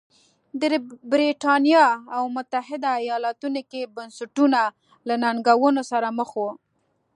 په برېټانیا او متحده ایالتونو کې بنسټونه له ننګونو سره مخ وو.